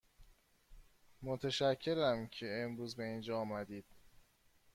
متشکرم که امروز به اینجا آمدید.